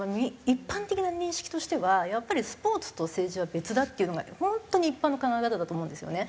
一般的な認識としてはやっぱりスポーツと政治は別だっていうのが本当に一般の考え方だと思うんですよね。